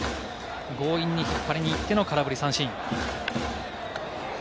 強引に引っ張りにいっての空振り三振。